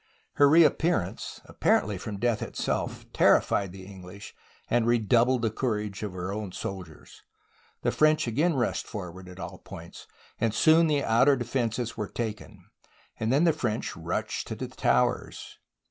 Her reappearance, apparently from death it self, terrified the English and redoubled the cour age of her own soldiers. The French again rushed forward at all points, and soon the outer defences were taken, and then the French rushed to the towers.